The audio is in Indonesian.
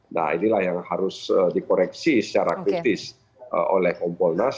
nah inilah yang harus dikoreksi secara kritis oleh kompolnas